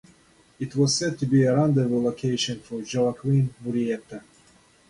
It was said to be a rendezvous location for Joaquin Murrieta.